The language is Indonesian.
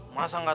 masa enggak tahu